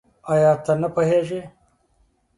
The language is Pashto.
آيا ته نه پوهېږې؟